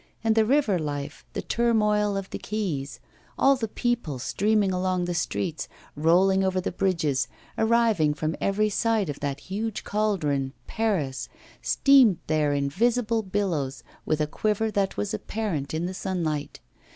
And the river life, the turmoil of the quays, all the people, streaming along the streets, rolling over the bridges, arriving from every side of that huge cauldron, Paris, steamed there in visible billows, with a quiver that was apparent in the sunlight.